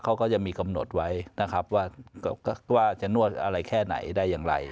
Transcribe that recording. เขาก็จะมีกำหนดไว้นะครับว่าจะนวดอะไรแค่ไหนได้อย่างไร